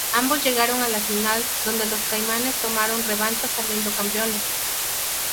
Ambos llegaron a la final donde los Caimanes tomaron revancha saliendo campeones.